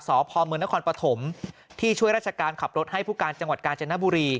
สพมนครปฐมที่ช่วยราชการขับรถให้ผู้การจังหวัดกาญจนบุรี